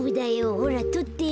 ほらとって。